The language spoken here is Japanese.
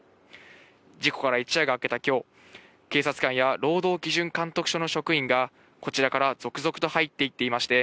事故から一夜が明けた今日、警察官や労働基準監督署の職員がこちらから続々と入っていまして。